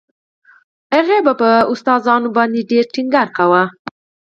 هغې به په ښوونکو باندې ډېر ټينګار کاوه.